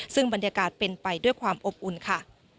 ซึ่งบรรยากาศเป็นไปด้วยความอบอุ่นค่ะ